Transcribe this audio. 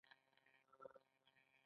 که پروژه بریالۍ نه وي باید هغوی خبر کړي.